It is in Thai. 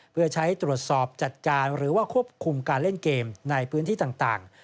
เพื่อใช้ตรวจสอบจัดการหรือว่าควบคุมการเล่นเกมในพื้นที่ต่าง